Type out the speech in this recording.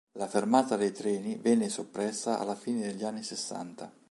La fermata dei treni venne soppressa alla fine degli anni sessanta.